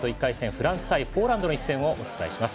フランス対ポーランドの一戦をお伝えします。